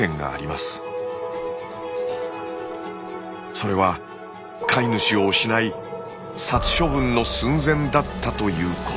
それは飼い主を失い殺処分の寸前だったということ。